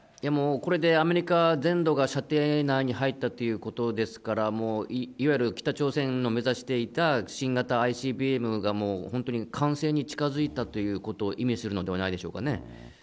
もう、これでアメリカ全土が射程内に入ったということですから、もういわゆる北朝鮮の目指していた新型ＩＣＢＭがもう本当に完成に近づいたということを意味するのではないでしょうかね。